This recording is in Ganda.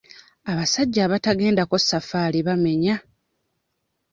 Abasajja abatagendako safaali bamenya.